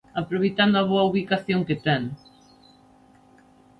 Aproveitando a boa ubicación que ten.